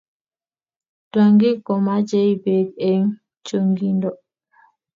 tyangik komachei pek eng chongindo